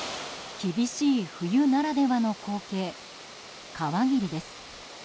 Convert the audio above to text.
厳しい冬ならではの光景川霧です。